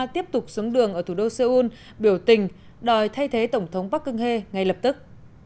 tiếp tục xuống đường ở thủ đô seoul biểu tình đòi thay thế tổng thống park geun hye ngay lập tức